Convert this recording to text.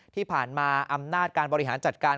ที่ผ่านมาอำนาจการบริหารจัดการ